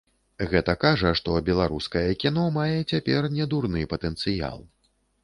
Гэта кажа, што беларускае кіно мае цяпер недурны патэнцыял.